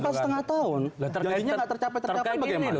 kalau empat lima tahun jadinya nggak tercapai tercapai begini lho